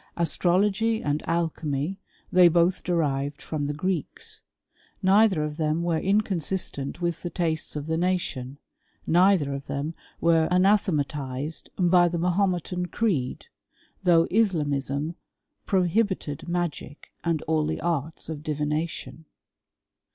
Astros logy and alchymy, they both derived from the Greeks : neither of them were mconsistent with the taste of the nation — ^neither of them were anathematized by the Mahometan creed, though Islamism prohibited magic and all the arts of divination.